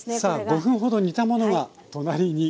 さあ５分ほど煮たものが隣に。